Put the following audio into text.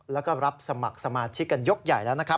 แล้วก็รับสมัครสมาชิกกันยกใหญ่แล้วนะครับ